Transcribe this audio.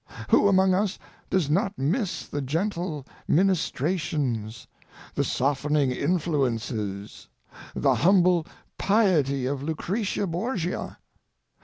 Who among us does not miss the gentle ministrations, the softening influences, the humble piety of Lucretia Borgia?